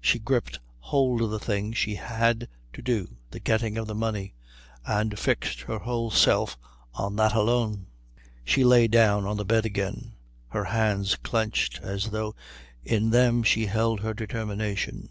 She gripped hold of the thing she had to do, the getting of the money, and fixed her whole self on that alone. She lay down on the bed again, her hands clenched as though in them she held her determination.